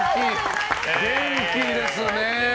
元気ですね。